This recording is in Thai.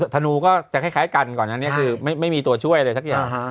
ธนูก็จะคล้ายกันก่อนอันนี้คือไม่มีตัวช่วยอะไรสักอย่าง